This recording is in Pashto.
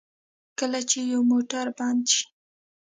کله چې یو موټر بند شي.